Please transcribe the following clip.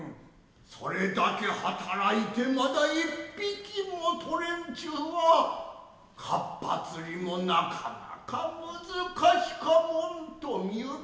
それだけ働いてまだ一匹も獲れんちゅうはかっぱ釣りもなかなかむずかしかもんと見ゆる。